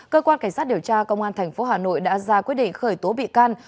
cơ quan cảnh sát điều tra công an tp hà nội đã ra quyết định khởi tố bị can